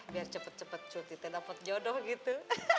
biar cepet cepet surty teh dapat jodoh gitu